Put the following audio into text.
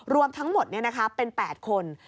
รวมทั้งหมดเป็น๘คน